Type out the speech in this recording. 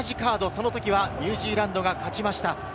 その時はニュージーランドが勝ちました。